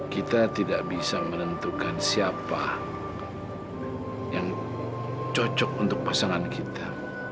kita tidak bisa menentukan siapa yang cocok untuk pasangan kita